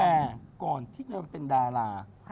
แต่ก่อนที่เดิมเป็นดารา